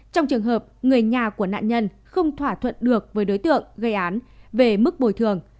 trong trường hợp người nhà của nạn nhân không thỏa thuận được với đối tượng gây án về mức bồi thường